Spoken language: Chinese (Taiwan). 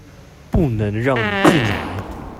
不能讓你進來